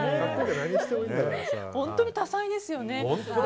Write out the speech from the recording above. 本当に多才ですよね。